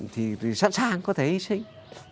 thì tôi sẵn sàng có thể hy sinh